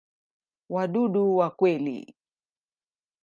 Wadudu wa kweli.